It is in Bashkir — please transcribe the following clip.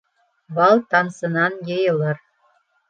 Бал тамсынан йыйылыр.